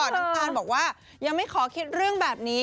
น้ำตาลบอกว่ายังไม่ขอคิดเรื่องแบบนี้